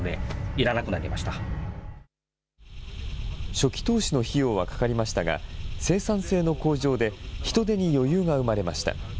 初期投資の費用はかかりましたが、生産性の向上で、人手に余裕が生まれました。